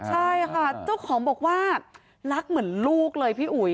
ใช่ค่ะเจ้าของบอกว่ารักเหมือนลูกเลยพี่อุ๋ย